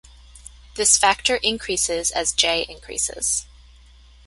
This factor increases as J increases.